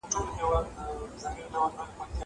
زه هره ورځ مېوې وچوم.